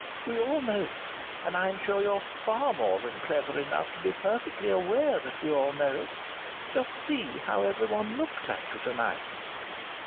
We all know it. And I'm sure you're far more than clever enough to be perfectly aware that we all know it. Just see how everyone looked at you to night!"